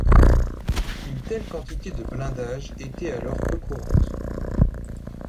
Une telle quantité de blindage était alors peu courante.